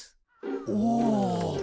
おお。